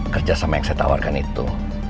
kerjasama yang saya tawarkan itu